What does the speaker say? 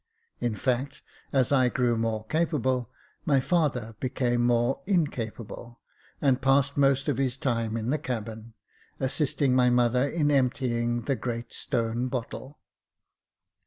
In fact, as I grew more capable, my father became more incapable, and passed most of his time in the cabin, assisting my mother in emptying the great stone bottle.